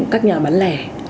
các nhà bán lẻ